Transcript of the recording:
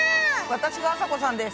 私があさこさんです。